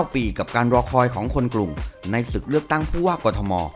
๙ปีกับการรอคอยของคนกลุ่มในศึกเลือกตั้งผู้ว่ากอทม